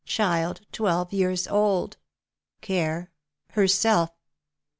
child twelve years old — care — her self."